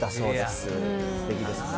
すてきですね。